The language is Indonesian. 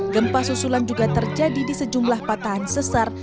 gempa susulan juga terjadi di sejumlah patahan sesar